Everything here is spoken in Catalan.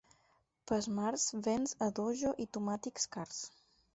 Pel març, vents a dojo i tomàquets cars.